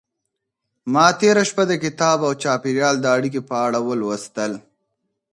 ما تېره شپه د کتاب او چاپېريال د اړيکې په اړه ولوستل.